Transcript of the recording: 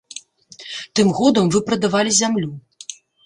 Тым годам вы прадавалі зямлю.